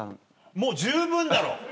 もう十分だろ。